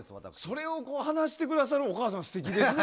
それを話してくださるお母さん、素敵ですね。